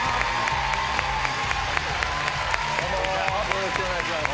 よろしくお願いします。